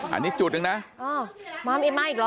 อันนี้จุดหนึ่งนะอ้าวไหม้อีกหรอ